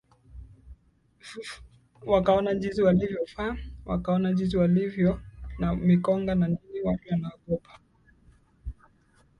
ffu wakaona jinsi walivyovaa wakaona jinsi walivyo na mikonga na nini watu wanaogopa